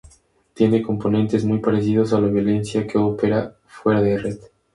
tiene componentes muy parecidos a la violencia que opera fuera de red